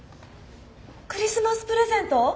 クリスマスプレゼント？